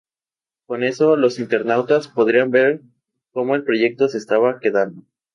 Con eso, los internautas podrían ver cómo el proyecto se estaba quedando.